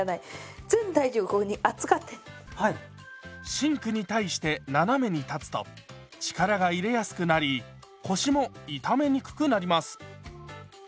シンクに対して斜めに立つと力が入れやすくなり腰も痛めにくくなります。